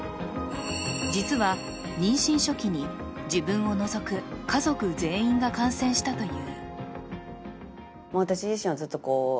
実は妊娠初期に、自分を除く家族全員が感染したという。